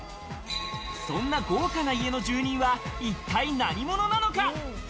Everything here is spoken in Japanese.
そんな豪華な家の住人は一体何者なのか？